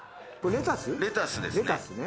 レタスですね。